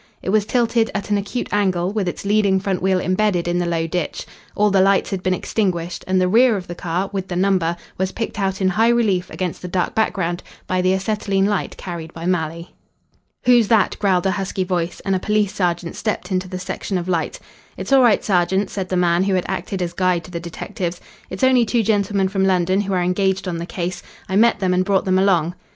It was tilted at an acute angle, with its leading front wheel embedded in the low ditch. All the lights had been extinguished, and the rear of the car, with the number, was picked out in high relief against the dark background by the acetylene light carried by Malley. "Who's that?" growled a husky voice, and a police sergeant stepped into the section of light. "It's all right, sergeant," said the man who had acted as guide to the detectives. "It's only two gentlemen from London who are engaged on the case. I met them and brought them along."